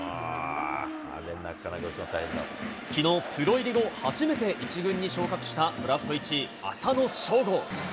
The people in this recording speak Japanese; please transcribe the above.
きのう、プロ入り後初めて１軍に昇格したドラフト１位、浅野翔吾。